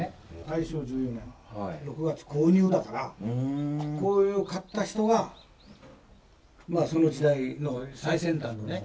「“大正十四年六月購入”だからこれを買った人はまあその時代の最先端のね